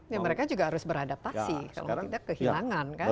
ya mereka juga harus beradaptasi kalau tidak kehilangan kan